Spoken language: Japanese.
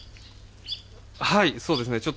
はい、そうですね。